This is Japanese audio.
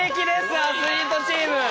アスリートチーム。